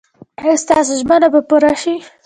ایا ستاسو ژمنه به پوره شي؟